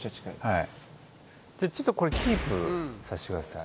はいちょっとこれキープさせてください